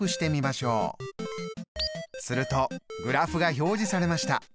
するとグラフが表示されました。